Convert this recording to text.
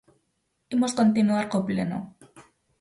Imos continuar co Pleno.